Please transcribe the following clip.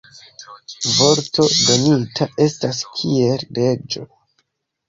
Vorto donita estas kiel leĝo.